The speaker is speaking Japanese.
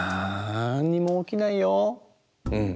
うん。